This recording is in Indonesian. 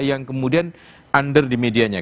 yang kemudian under di medianya